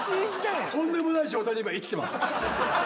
とんでもない状態で今生きてます。